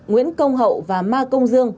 nguyễn công hậu và ma công dương